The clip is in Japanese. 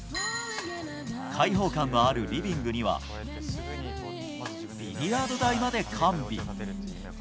開放感があるリビングにはビリヤード台まで完備。